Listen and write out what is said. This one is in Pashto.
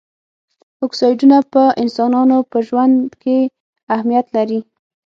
اکسایډونه په انسانانو په ژوند کې اهمیت لري.